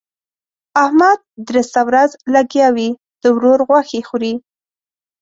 احمد درسته ورځ لګيا وي؛ د ورور غوښې خوري.